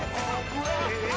えっ！